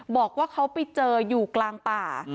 บอกว่าเขาไปเจออยู่กลางป่า